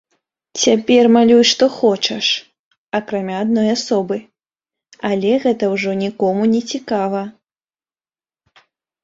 Цяпер малюй што хочаш, акрамя адной асобы, але гэта ўжо нікому нецікава.